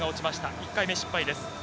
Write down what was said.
１回目、失敗です。